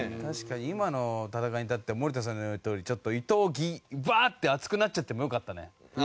確かに今の戦いに至っては森田さんの言うとおりちょっと伊藤バーッて熱くなっちゃってもよかったね。